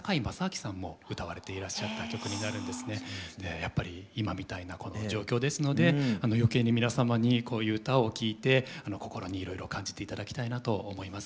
やっぱり今みたいなこの状況ですので余計に皆様にこういう歌を聴いて心にいろいろ感じて頂きたいなと思います。